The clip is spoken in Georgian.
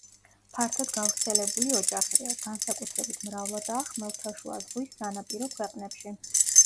ფართოდ გავრცელებული ოჯახია, განსაკუთრებით მრავლადაა ხმელთაშუა ზღვის სანაპირო ქვეყნებში.